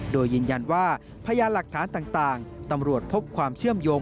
โดยยืนยันว่าพยานหลักฐานต่างตำรวจพบความเชื่อมโยง